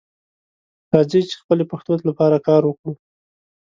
راځئ چې خپلې پښتو لپاره کار وکړو